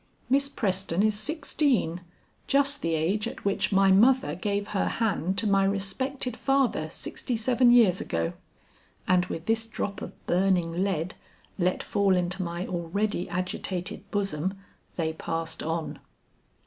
"Miss Preston is sixteen, just the age at which my mother gave her hand to my respected father sixty seven years ago." And with this drop of burning lead let fall into my already agitated bosom they passed on.